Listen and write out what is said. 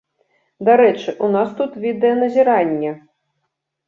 Дарэчы, у нас тут відэаназіранне!